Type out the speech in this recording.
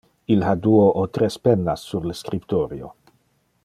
Il ha duo o tres pennas sur le scriptorio.